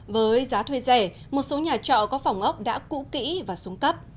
với giá thuê rẻ một số nhà trọ có phòng ốc đã cũ kỹ và xuống cấp